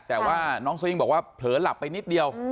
แต่ว่าน้องสยิงบอกว่าเผลอหลับไปนิดเดียว